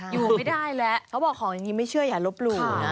อยู่ไม่ได้แล้วเขาบอกของอย่างนี้ไม่เชื่ออย่าลบหลู่นะ